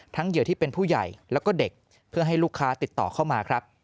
ทั้งเหยื่อที่เป็นผู้ใหญ่และเด็กเพื่อให้ลูกค้าติดต่อเข้ามา